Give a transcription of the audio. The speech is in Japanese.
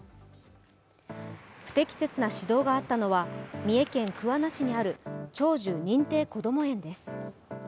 不適切な指導があったのは、三重県桑名市にある長寿認定こども園です。